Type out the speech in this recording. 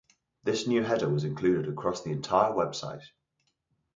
This new header was included across the entire website.